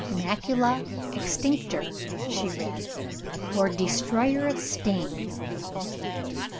"Macula Exstinctor," she read, "or Destroyer of Stains.